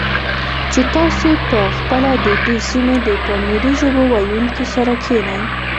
چې تاسې په خپله د دې سیمې د پامیري ژبو ویونکو سره کښېنئ،